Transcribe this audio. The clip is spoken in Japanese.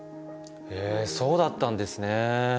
へえそうだったんですね。